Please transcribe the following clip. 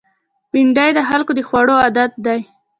بېنډۍ د خلکو د خوړو عادت دی